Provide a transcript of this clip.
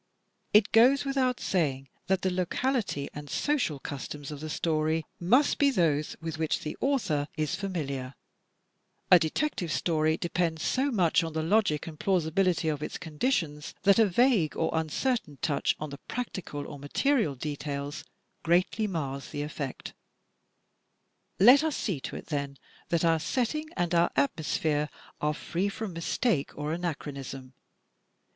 It goes without saying that the locality and social customs of the story must be those with which the author is familiar. STRUCTURE 289 A Detective Story depends so much on the logic and plausi bility of its conditions, that a vague or imcertain touch on the practical or material details greatly mars the effect. Let us see to it, then, that our setting and our atmosphere are free from mistake or anachronism.